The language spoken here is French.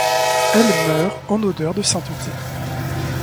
Elle meurt en odeur de sainteté.